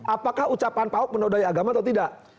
apakah ucapan pak ahok menodai agama atau tidak